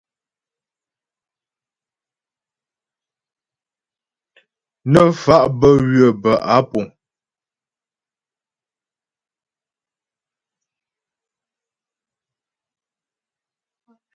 Nə́ fa' bə́ ywə̌ bə́ á púŋ.